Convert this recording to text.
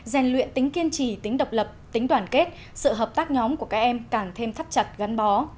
rèn luyện tính kiên trì tính độc lập tính đoàn kết sự hợp tác nhóm của các em càng thêm thắt chặt gắn bó